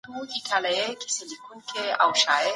ناروغي د انساني ژوند یوه برخه ده.